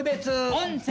温泉。